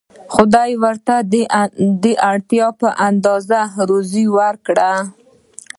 خدای ورته د اړتیا په اندازه روزي ورکړه.